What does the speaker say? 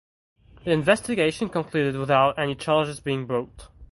The investigation concluded without any charges being brought.